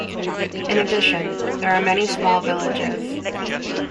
In addition, there are many small villages.